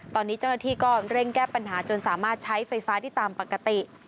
ตอนนี้เจ้าหน้าที่ก็เร่งแก้ปัญหาจนสามารถใช้ไฟฟ้าได้ตามปกติ